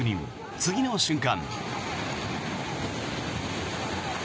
次の瞬間。